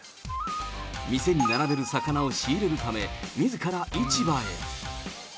店に並べる魚を仕入れるため、みずから市場へ。